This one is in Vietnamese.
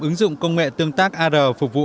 ứng dụng công nghệ tương tác ar phục vụ